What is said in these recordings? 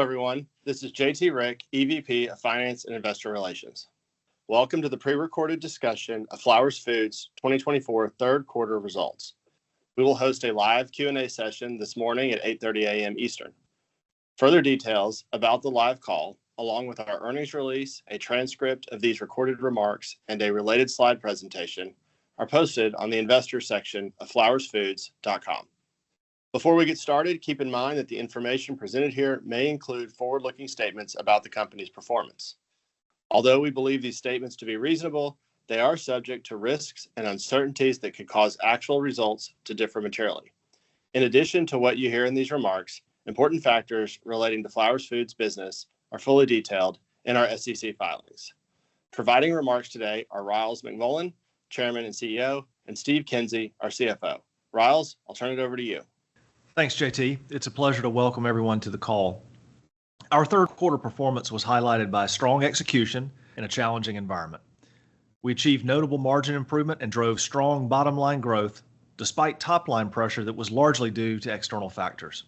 Hello, everyone. This is J.T. Rieck, EVP of Finance and Investor Relations. Welcome to the prerecorded discussion of Flowers Foods' 2024 third quarter results. We will host a live Q&A session this morning at 8:30 A.M. Eastern. Further details about the live call, along with our earnings release, a transcript of these recorded remarks, and a related slide presentation, are posted on the investor section of flowersfoods.com. Before we get started, keep in mind that the information presented here may include forward-looking statements about the company's performance. Although we believe these statements to be reasonable, they are subject to risks and uncertainties that could cause actual results to differ materially. In addition to what you hear in these remarks, important factors relating to Flowers Foods' business are fully detailed in our SEC filings. Providing remarks today are Ryals McMullian, Chairman and CEO, and Steve Kinsey, our CFO. Ryals, I'll turn it over to you. Thanks, J.T. It's a pleasure to welcome everyone to the call. Our third quarter performance was highlighted by strong execution in a challenging environment. We achieved notable margin improvement and drove strong bottom-line growth despite top-line pressure that was largely due to external factors.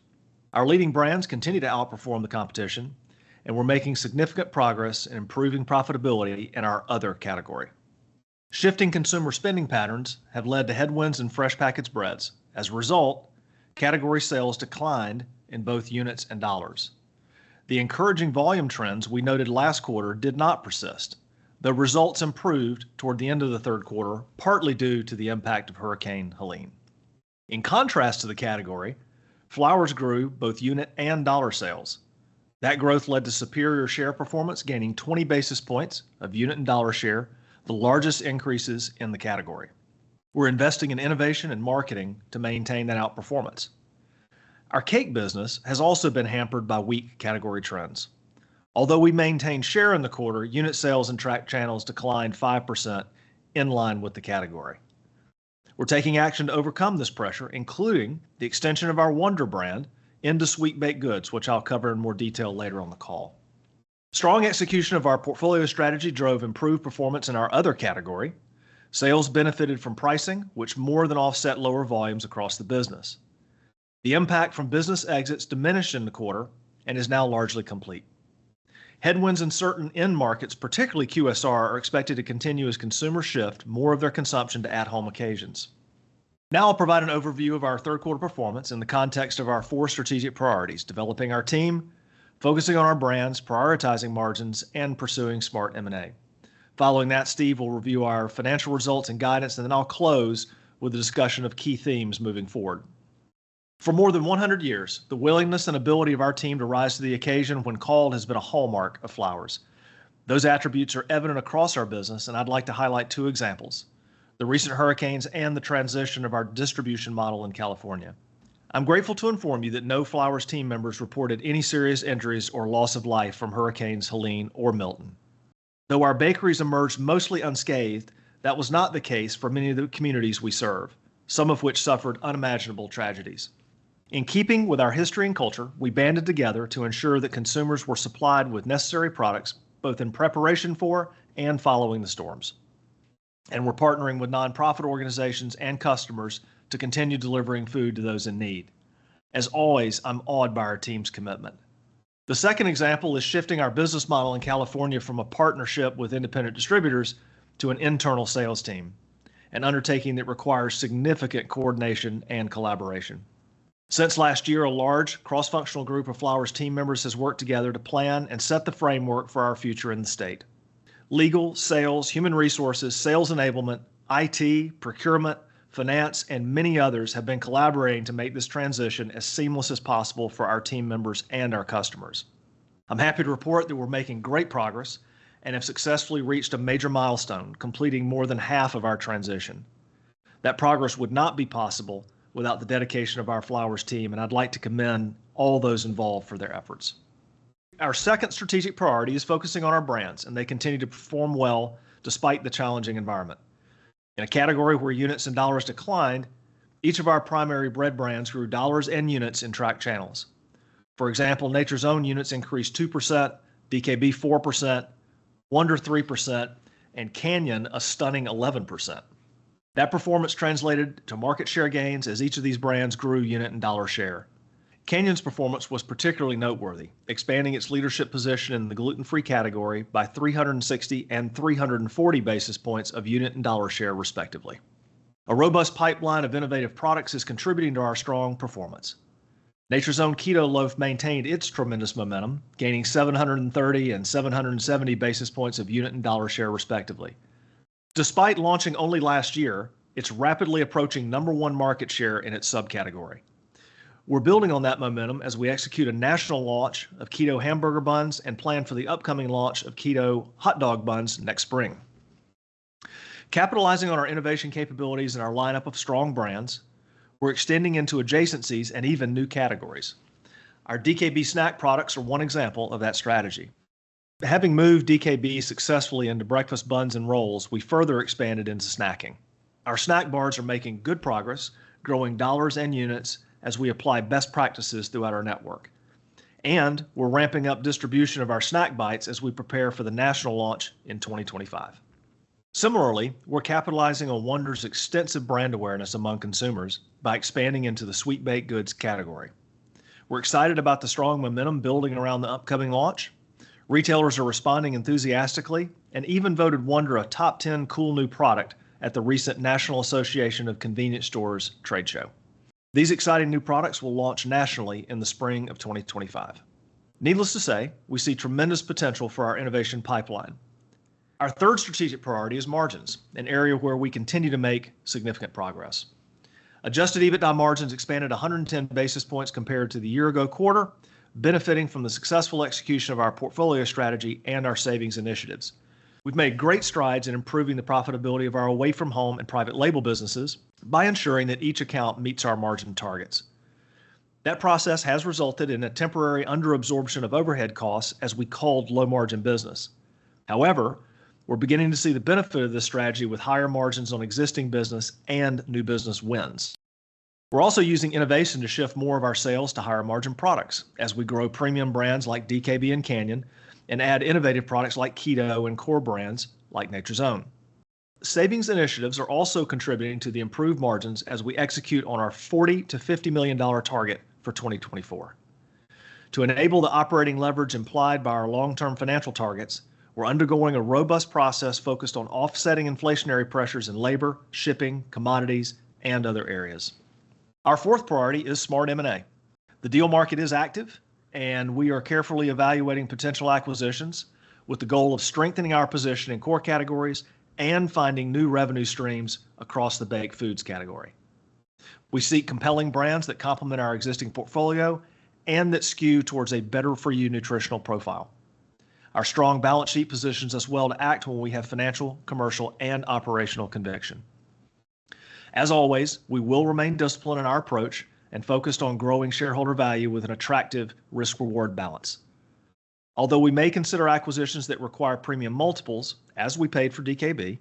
Our leading brands continue to outperform the competition, and we're making significant progress in improving profitability in our Other category. Shifting consumer spending patterns have led to headwinds in fresh packaged breads. As a result, category sales declined in both units and dollars. The encouraging volume trends we noted last quarter did not persist, though results improved toward the end of the third quarter, partly due to the impact of Hurricane Helene. In contrast to the category, Flowers grew both unit and dollar sales. That growth led to superior share performance, gaining 20 basis points of unit and dollar share, the largest increases in the category. We're investing in innovation and marketing to maintain that outperformance. Our cake business has also been hampered by weak category trends. Although we maintained share in the quarter, unit sales and tracked channels declined 5% in line with the category. We're taking action to overcome this pressure, including the extension of our Wonder brand into sweet baked goods, which I'll cover in more detail later on the call. Strong execution of our portfolio strategy drove improved performance in our Other category. Sales benefited from pricing, which more than offset lower volumes across the business. The impact from business exits diminished in the quarter and is now largely complete. Headwinds in certain end markets, particularly QSR, are expected to continue as consumers shift more of their consumption to at-home occasions. Now I'll provide an overview of our third quarter performance in the context of our four strategic priorities: developing our team, focusing on our brands, prioritizing margins, and pursuing smart M&A. Following that, Steve will review our financial results and guidance, and then I'll close with a discussion of key themes moving forward. For more than 100 years, the willingness and ability of our team to rise to the occasion when called has been a hallmark of Flowers. Those attributes are evident across our business, and I'd like to highlight two examples: the recent hurricanes and the transition of our distribution model in California. I'm grateful to inform you that no Flowers team members reported any serious injuries or loss of life from Hurricanes Helene or Milton. Though our bakeries emerged mostly unscathed, that was not the case for many of the communities we serve, some of which suffered unimaginable tragedies. In keeping with our history and culture, we banded together to ensure that consumers were supplied with necessary products both in preparation for and following the storms. We're partnering with nonprofit organizations and customers to continue delivering food to those in need, and as always, I'm awed by our team's commitment. The second example is shifting our business model in California from a partnership with independent distributors to an internal sales team, an undertaking that requires significant coordination and collaboration. Since last year, a large cross-functional group of Flowers team members has worked together to plan and set the framework for our future in the state. Legal, sales, human resources, sales enablement, IT, procurement, finance, and many others have been collaborating to make this transition as seamless as possible for our team members and our customers. I'm happy to report that we're making great progress and have successfully reached a major milestone, completing more than half of our transition. That progress would not be possible without the dedication of our Flowers team, and I'd like to commend all those involved for their efforts. Our second strategic priority is focusing on our brands, and they continue to perform well despite the challenging environment. In a category where units and dollars declined, each of our primary bread brands grew dollars and units in tracked channels. For example, Nature's Own units increased 2%, DKB 4%, Wonder 3%, and Canyon a stunning 11%. That performance translated to market share gains as each of these brands grew unit and dollar share. Canyon's performance was particularly noteworthy, expanding its leadership position in the gluten-free category by 360 basis points and 340 basis points of unit and dollar share, respectively. A robust pipeline of innovative products is contributing to our strong performance. Nature's Own Keto loaf maintained its tremendous momentum, gaining 730 basis points and 770 basis points of unit and dollar share, respectively. Despite launching only last year, it's rapidly approaching number one market share in its subcategory. We're building on that momentum as we execute a national launch of Keto hamburger buns and plan for the upcoming launch of Keto hot dog buns next spring. Capitalizing on our innovation capabilities and our lineup of strong brands, we're extending into adjacencies and even new categories. Our DKB snack products are one example of that strategy. Having moved DKB successfully into breakfast buns and rolls, we further expanded into snacking. Our snack bars are making good progress, growing dollars and units as we apply best practices throughout our network, and we're ramping up distribution of our snack bites as we prepare for the national launch in 2025. Similarly, we're capitalizing on Wonder's extensive brand awareness among consumers by expanding into the sweet baked goods category. We're excited about the strong momentum building around the upcoming launch. Retailers are responding enthusiastically and even voted Wonder a top 10 cool new product at the recent National Association of Convenience Stores trade show. These exciting new products will launch nationally in the spring of 2025. Needless to say, we see tremendous potential for our innovation pipeline. Our third strategic priority is margins, an area where we continue to make significant progress. Adjusted EBITDA margins expanded 110 basis points compared to the year-ago quarter, benefiting from the successful execution of our portfolio strategy and our savings initiatives. We've made great strides in improving the profitability of our away-from-home and private label businesses by ensuring that each account meets our margin targets. That process has resulted in a temporary underabsorption of overhead costs as we called low-margin business. However, we're beginning to see the benefit of this strategy with higher margins on existing business and new business wins. We're also using innovation to shift more of our sales to higher-margin products as we grow premium brands like DKB and Canyon and add innovative products like keto and core brands like Nature's Own. Savings initiatives are also contributing to the improved margins as we execute on our $40 million-$50 million target for 2024. To enable the operating leverage implied by our long-term financial targets, we're undergoing a robust process focused on offsetting inflationary pressures in labor, shipping, commodities, and other areas. Our fourth priority is smart M&A. The deal market is active, and we are carefully evaluating potential acquisitions with the goal of strengthening our position in core categories and finding new revenue streams across the baked foods category. We seek compelling brands that complement our existing portfolio and that skew towards a better-for-you nutritional profile. Our strong balance sheet positions us well to act when we have financial, commercial, and operational conviction. As always, we will remain disciplined in our approach and focused on growing shareholder value with an attractive risk-reward balance. Although we may consider acquisitions that require premium multiples, as we paid for DKB,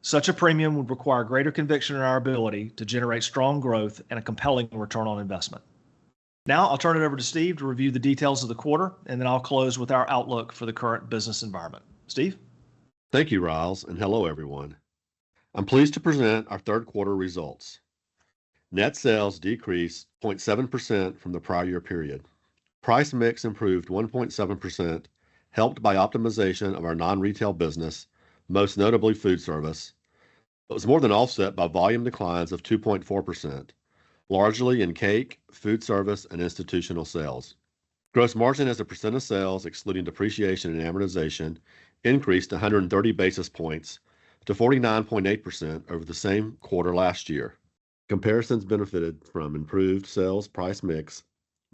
such a premium would require greater conviction in our ability to generate strong growth and a compelling return on investment. Now I'll turn it over to Steve to review the details of the quarter, and then I'll close with our outlook for the current business environment. Steve? Thank you, Ryals, and hello, everyone. I'm pleased to present our third quarter results. Net sales decreased 0.7% from the prior year period. Price mix improved 1.7%, helped by optimization of our non-retail business, most notably foodservice. It was more than offset by volume declines of 2.4%, largely in cake, food service, and institutional sales. Gross margin as a percent of sales, excluding depreciation and amortization, increased 130 basis points to 49.8% over the same quarter last year. Comparisons benefited from improved sales price mix,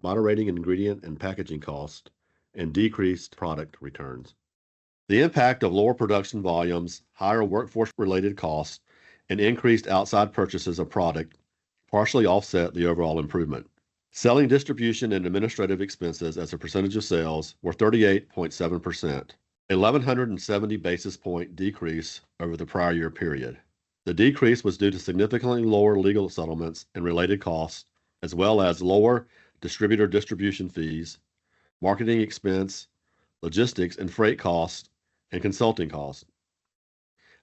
moderating ingredient and packaging cost, and decreased product returns. The impact of lower production volumes, higher workforce-related costs, and increased outside purchases of product partially offset the overall improvement. Selling, distribution, and administrative expenses as a percentage of sales were 38.7%, a 1,170 basis points decrease over the prior year period. The decrease was due to significantly lower legal settlements and related costs, as well as lower distributor distribution fees, marketing expense, logistics and freight costs, and consulting costs.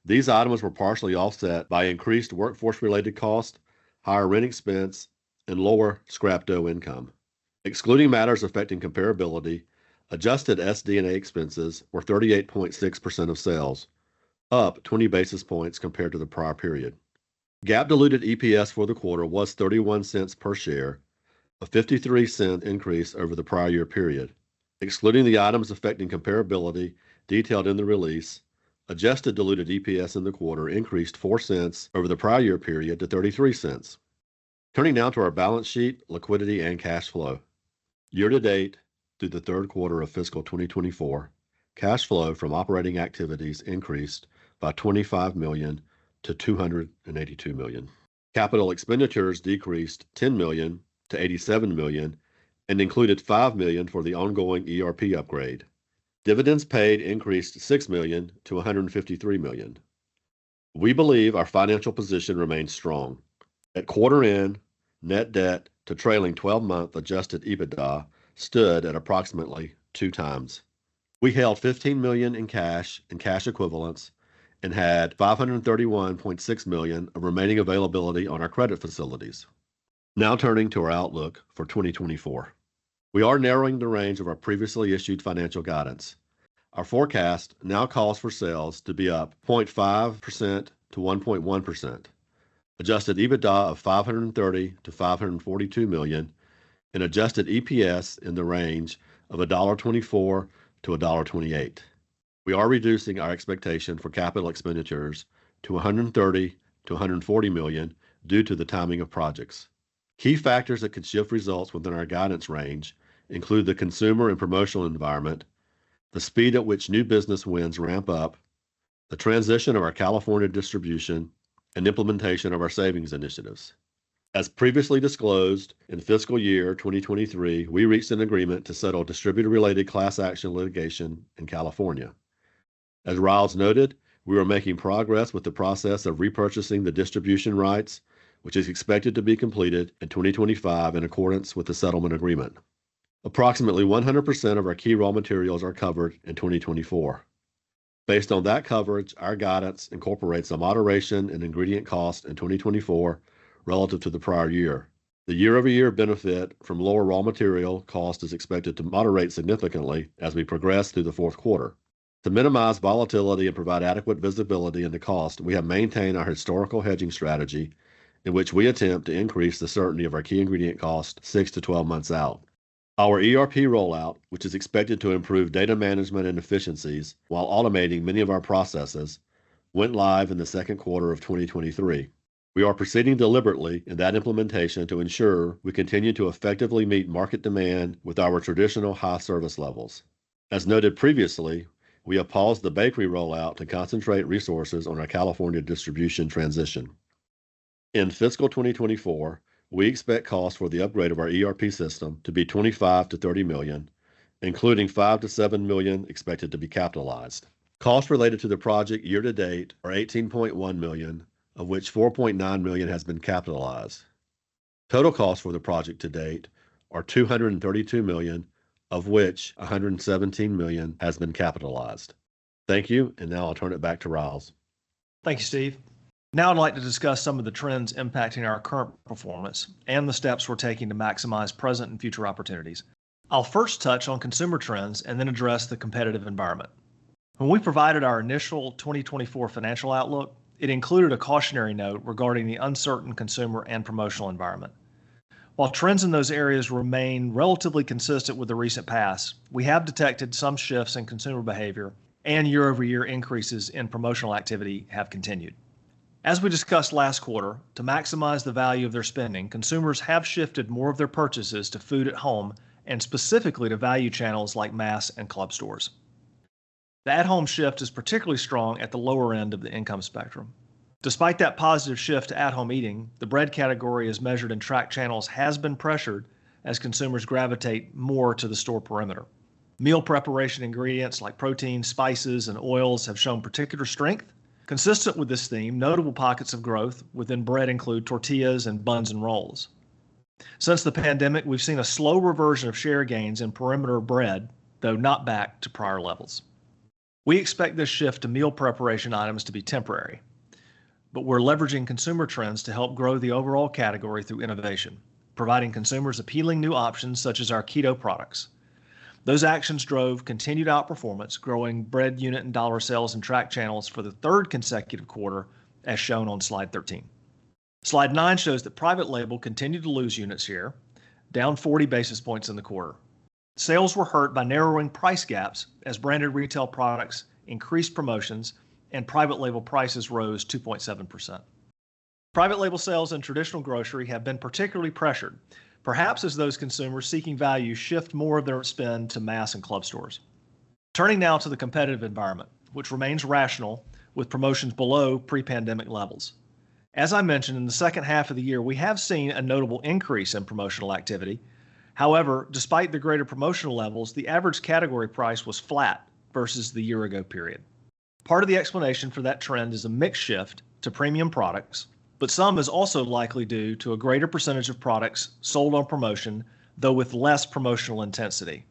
These items were partially offset by increased workforce-related costs, higher rent expense, and lower scrap dough income. Excluding matters affecting comparability, adjusted SD&A expenses were 38.6% of sales, up 20 basis points compared to the prior period. GAAP-diluted EPS for the quarter was $0.31 per share, a $0.53 increase over the prior year period. Excluding the items affecting comparability detailed in the release, adjusted diluted EPS in the quarter increased $0.04 over the prior year period to $0.33. Turning now to our balance sheet, liquidity, and cash flow. Year-to-date through the third quarter of fiscal 2024, cash flow from operating activities increased by $25 million-$282 million. Capital expenditures decreased $10 million-$87 million and included $5 million for the ongoing ERP upgrade. Dividends paid increased $6 million-$153 million. We believe our financial position remains strong. At quarter-end, net debt to trailing 12-month adjusted EBITDA stood at approximately two times. We held $15 million in cash and cash equivalents and had $531.6 million of remaining availability on our credit facilities. Now turning to our outlook for 2024. We are narrowing the range of our previously issued financial guidance. Our forecast now calls for sales to be up 0.5%-1.1%, adjusted EBITDA of $530 million-$542 million, and adjusted EPS in the range of $1.24-$1.28. We are reducing our expectation for capital expenditures to $130 million-$140 million due to the timing of projects. Key factors that could shift results within our guidance range include the consumer and promotional environment, the speed at which new business wins ramp up, the transition of our California distribution, and implementation of our savings initiatives. As previously disclosed, in fiscal year 2023, we reached an agreement to settle distributor-related class action litigation in California. As Ryals noted, we are making progress with the process of repurchasing the distribution rights, which is expected to be completed in 2025 in accordance with the settlement agreement. Approximately 100% of our key raw materials are covered in 2024. Based on that coverage, our guidance incorporates a moderation in ingredient cost in 2024 relative to the prior year. The year-over-year benefit from lower raw material cost is expected to moderate significantly as we progress through the fourth quarter. To minimize volatility and provide adequate visibility into cost, we have maintained our historical hedging strategy, in which we attempt to increase the certainty of our key ingredient cost 6 to 12 months out. Our ERP rollout, which is expected to improve data management and efficiencies while automating many of our processes, went live in the second quarter of 2023. We are proceeding deliberately in that implementation to ensure we continue to effectively meet market demand with our traditional high service levels. As noted previously, we have paused the bakery rollout to concentrate resources on our California distribution transition. In fiscal 2024, we expect costs for the upgrade of our ERP system to be $25 million-$30 million, including $5 million-$7 million expected to be capitalized. Costs related to the project year-to-date are $18.1 million, of which $4.9 million has been capitalized. Total costs for the project to date are $232 million, of which $117 million has been capitalized. Thank you, and now I'll turn it back to Ryals. Thank you, Steve. Now I'd like to discuss some of the trends impacting our current performance and the steps we're taking to maximize present and future opportunities. I'll first touch on consumer trends and then address the competitive environment. When we provided our initial 2024 financial outlook, it included a cautionary note regarding the uncertain consumer and promotional environment. While trends in those areas remain relatively consistent with the recent past, we have detected some shifts in consumer behavior, and year-over-year increases in promotional activity have continued. As we discussed last quarter, to maximize the value of their spending, consumers have shifted more of their purchases to food at home and specifically to value channels like mass and club stores. The at-home shift is particularly strong at the lower end of the income spectrum. Despite that positive shift to at-home eating, the bread category as measured in tracked channels has been pressured as consumers gravitate more to the store perimeter. Meal preparation ingredients like protein, spices, and oils have shown particular strength. Consistent with this theme, notable pockets of growth within bread include tortillas and buns and rolls. Since the pandemic, we've seen a slow reversion of share gains in perimeter bread, though not back to prior levels. We expect this shift to meal preparation items to be temporary, but we're leveraging consumer trends to help grow the overall category through innovation, providing consumers appealing new options such as our keto products. Those actions drove continued outperformance, growing bread unit and dollar sales in tracked channels for the third consecutive quarter, as shown on Slide 13. Slide 9 shows that private label continued to lose units here, down 40 basis points in the quarter. Sales were hurt by narrowing price gaps as branded retail products, increased promotions, and private label prices rose 2.7%. Private label sales in traditional grocery have been particularly pressured, perhaps as those consumers seeking value shift more of their spend to mass and club stores. Turning now to the competitive environment, which remains rational with promotions below pre-pandemic levels. As I mentioned, in the second half of the year, we have seen a notable increase in promotional activity. However, despite the greater promotional levels, the average category price was flat versus the year-ago period. Part of the explanation for that trend is a mixed shift to premium products, but some is also likely due to a greater percentage of products sold on promotion, though with less promotional intensity.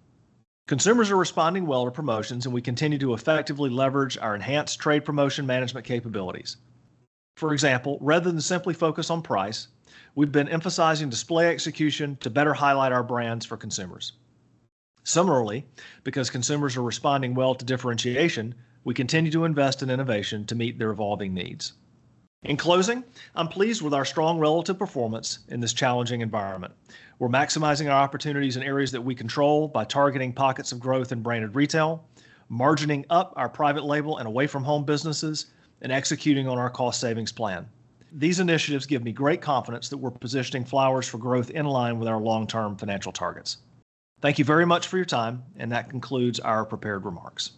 Consumers are responding well to promotions, and we continue to effectively leverage our enhanced trade promotion management capabilities. For example, rather than simply focus on price, we've been emphasizing display execution to better highlight our brands for consumers. Similarly, because consumers are responding well to differentiation, we continue to invest in innovation to meet their evolving needs. In closing, I'm pleased with our strong relative performance in this challenging environment. We're maximizing our opportunities in areas that we control by targeting pockets of growth in branded retail, margining up our private label and away-from-home businesses, and executing on our cost savings plan. These initiatives give me great confidence that we're positioning Flowers for growth in line with our long-term financial targets. Thank you very much for your time, and that concludes our prepared remarks.